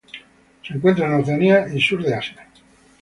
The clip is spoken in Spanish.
Se encuentra en Oceanía y Sur de Asia.